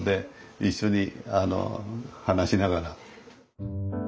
一緒に話しながら。